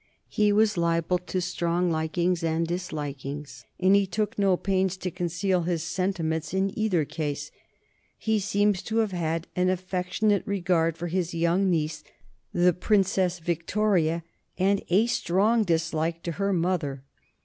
He was liable to strong likings and dislikings, and he took no pains to conceal his sentiments in either case. He seems to have had an affectionate regard for his young niece, the Princess Victoria, and a strong dislike to her mother.